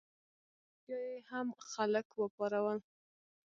په ریشتیا یې هم خلک وپارول.